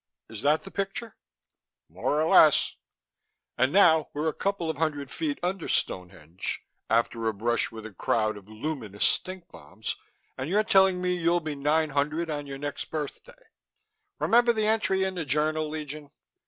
Is that the picture?" "More or less." "And now we're a couple of hundred feet under Stonehenge after a brush with a crowd of luminous stinkbombs and you're telling me you'll be nine hundred on your next birthday." "Remember the entry in the journal, Legion?